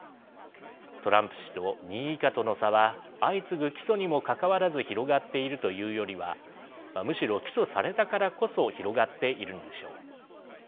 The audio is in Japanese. トランプ氏と２位以下との差は相次ぐ起訴にもかかわらず広がっているというよりはむしろ起訴されたからこそ広がっているのでしょう。